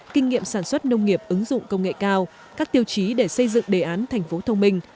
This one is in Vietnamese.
kinh nghiệm sản xuất nông nghiệp ứng dụng công nghệ cao các tiêu chí để xây dựng đề án thành phố thông minh